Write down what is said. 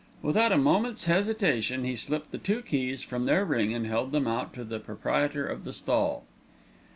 Without a moment's hesitation he slipped the two keys from their ring and held them out to the proprietor of the stall.